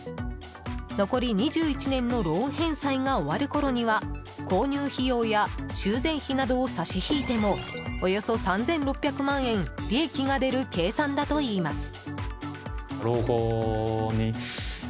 残り２１年のローン返済が終わるころには購入費用や修繕費などを差し引いてもおよそ３６００万円利益が出る計算だといいます。